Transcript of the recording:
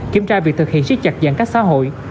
kiểm tra việc thực hiện siết chặt giãn cách xã hội